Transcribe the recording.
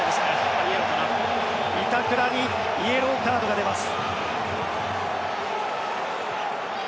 板倉にイエローカードが出ます。